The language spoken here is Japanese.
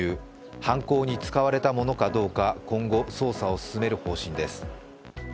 犯行に使われたものかどうか今後、捜査を進める方針です。